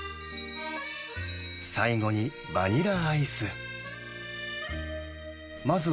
最後にバニラアイス。